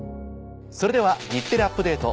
それでは『日テレアップＤａｔｅ！』